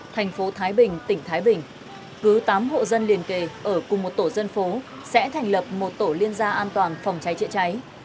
thành phố thái bình tỉnh thái bình cứ tám hộ dân liền kề ở cùng một tổ dân phố sẽ thành lập một tổ liên gia an toàn phòng cháy chữa cháy